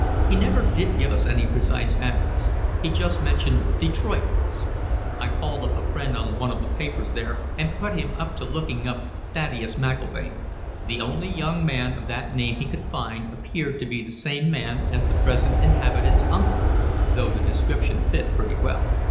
He never did give us any precise address; he just mentioned Detroit once. I called up a friend on one of the papers there and put him up to looking up Thaddeus McIlvaine; the only young man of that name he could find appeared to be the same man as the present inhabitant's uncle, though the description fit pretty well."